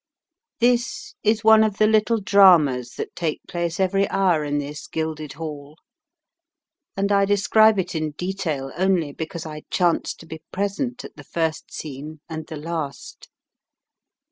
This is one of the little dramas that take place every hour in this gilded hall, and I describe it in detail only because I chanced to be present at the first scene and the last.